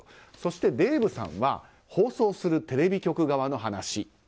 そしてデーブさんは放送するテレビ局側の話。